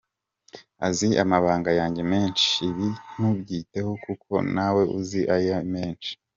Azi amabanga yanjye menshi : Ibi ntukbyiteho kuko nawe uzi aye menshi.